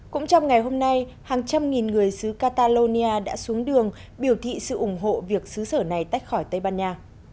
cũng trong ngày hôm nay hàng trăm nghìn người xứ catalonia đã xuống đường biểu thị sự ủng hộ việc xứ sở này tách khỏi tây ban nha